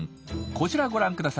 こちらご覧ください。